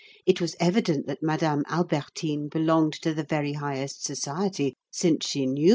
It was evident that Madame Albertine belonged to the very highest society, since she knew M.